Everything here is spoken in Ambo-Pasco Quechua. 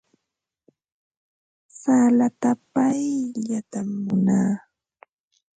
Salata pallaytam munaa.